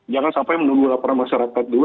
jangan sampai menunggu laporan masyarakat dulu